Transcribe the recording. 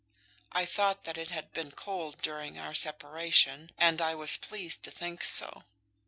I thought that it had been cold during our separation, and I was pleased to think so.